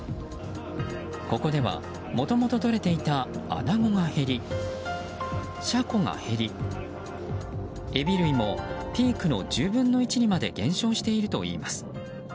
ここでは、もともととれていたアナゴが減りシャコが減りエビ類もピークの１０分の１にまで減少しているといいます。